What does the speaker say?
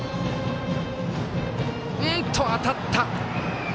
当たった。